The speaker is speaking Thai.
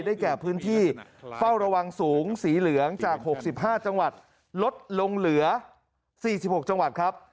แก่พื้นที่เฝ้าระวังสูงสีเหลืองจาก๖๕จังหวัดลดลงเหลือ๔๖จังหวัดครับ